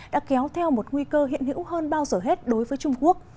đã kéo theo một nguy cơ hiện hữu hơn bao giờ hết đối với trung quốc